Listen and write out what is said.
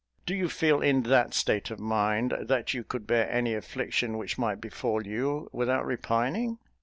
Do you feel in that state of mind that you could bear any affliction which might befall you, without repining?"